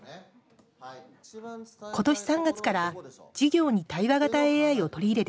今年３月から授業に対話型ＡＩを取り入れてきました